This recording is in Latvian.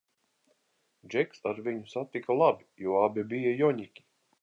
Džeks ar viņu satika labi, jo abi bija joņiki.